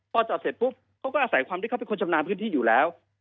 พอจอดเสร็จปุ๊บเขาก็อาศัยความที่เขาเป็นคนชำนาญพื้นที่อยู่แล้ว